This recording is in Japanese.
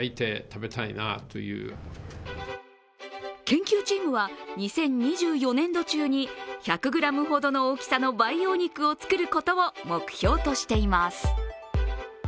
研究チームは２０２４年度中に１００ｇほどの大きさの培養肉を作ることを目標としています。